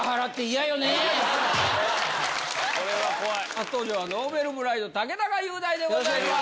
・初登場はＮｏｖｅｌｂｒｉｇｈｔの竹中雄大でございます。